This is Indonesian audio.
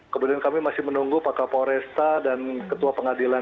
kemudian kami masih menunggu pak kapolresta dan ketua pengadilan